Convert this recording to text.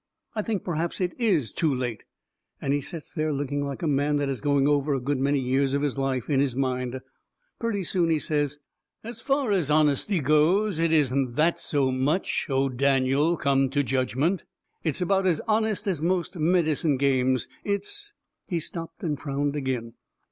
"I think perhaps it IS too late." And he sets there looking like a man that is going over a good many years of life in his mind. Purty soon he says: "As far as honesty goes it isn't that so much, O Daniel come to judgment! It's about as honest as most medicine games. It's " He stopped and frowned agin.